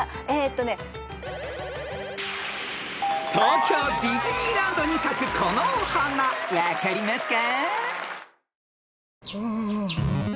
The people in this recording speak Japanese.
［東京ディズニーランドに咲くこのお花分かりますか？］